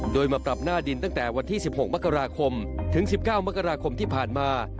โดยมาปรับหน้าดินตั้งแต่วันที่๑๖มกราคมถึง๑๙มกราคมที่ผ่านมา